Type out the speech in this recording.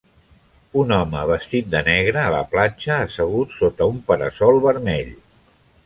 Un home vestit de negre a la platja assegut sota un para-sol vermell.